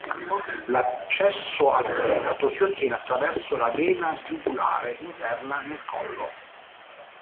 L'accesso al fegato si ottiene attraverso la vena giugulare interna nel collo.